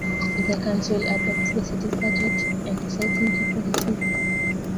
The council adopts the city's budget, and decides major policies.